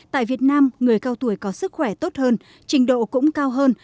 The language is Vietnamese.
tại việt nam người cao tuổi có sức khỏe tốt hơn trình độ cũng cao hơn